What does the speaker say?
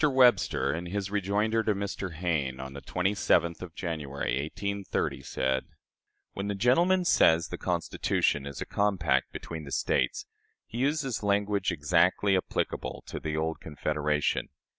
Webster, in his rejoinder to Mr. Hayne, on the 27th of January, 1830, said: "When the gentleman says the Constitution is a compact between the States, he uses language exactly applicable to the old Confederation.